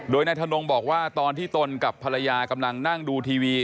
โดยนายทนงบอกว่าตอนที่ตนกับภรรยากำลังนั่งดูทีวี